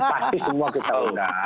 pasti semua kita undang